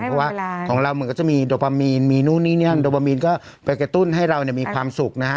เพราะว่าของเรามันก็จะมีโดปามีนมีนู่นนี่นั่นโดบามีนก็ไปกระตุ้นให้เรามีความสุขนะฮะ